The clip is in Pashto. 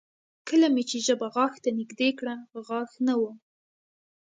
کله مې چې ژبه غاښ ته نږدې کړه غاښ نه و